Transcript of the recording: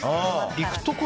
行くとこ